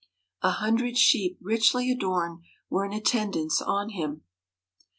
A hundred sheep richly adorned were in attendance on him.